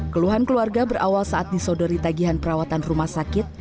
keluhan keluarga berawal saat disodori tagihan perawatan rumah sakit